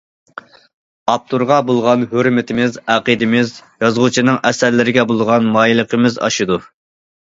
ئاپتورغا بولغان ھۆرمىتىمىز، ئەقىدىمىز، يازغۇچىنىڭ ئەسەرلىرىگە بولغان مايىللىقىمىز ئاشىدۇ.